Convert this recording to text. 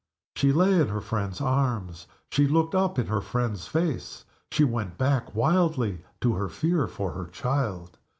She lay in her friend's arms; she looked up in her friend's face; she went back wildly to her fear for her child.